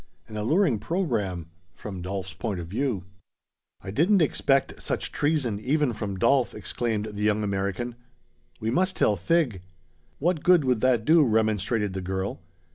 An alluring program from Dolf's point of view. "I didn't expect such treason even from Dolf!" exclaimed the young American. "We must tell Thig!" "What good would that do?" remonstrated the girl.